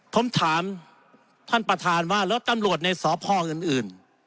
ผมถามท่านประธานว่าแล้วตำรวจในสพอื่น